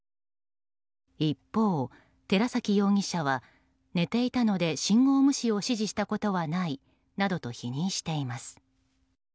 一方、寺崎容疑者は寝ていたので信号無視を指示したことはないなどと否認しています。